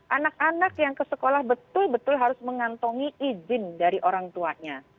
anak anak yang ke sekolah betul betul harus mengantongi izin dari orang tuanya